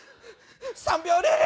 ３秒ルール！